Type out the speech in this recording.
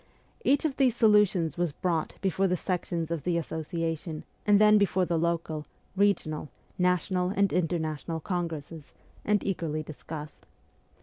Each of these solutions was brought before the ' sections ' of the Association, and then before the local, regional, national, and international congresses, and eagerly discussed.